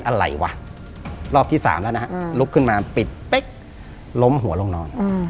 อะไรวะรอบที่๓แล้วนะฮะลุกขึ้นมาปิดเป๊กล้มหัวลงนอน